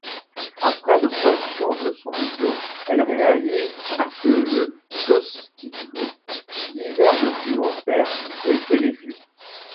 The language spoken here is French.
Après l'obtention de son diplôme, elle réalise pour le Goskino divers documentaires et téléfilms.